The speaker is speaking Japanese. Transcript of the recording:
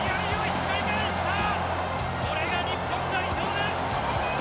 これが日本代表です。